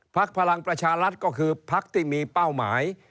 พลังประชารัฐก็คือพักที่มีเป้าหมาย